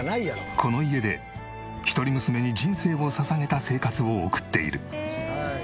この家で一人娘に人生を捧げた生活を送っている。